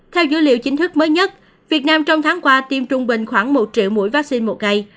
theo dữ liệu chính thức mới nhất việt nam trong tháng qua tiêm trung bình khoảng một triệu mũi vaccine một ngày